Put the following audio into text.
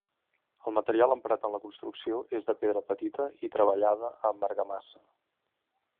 El material emprat en la construcció és de pedra petita i treballada amb argamassa.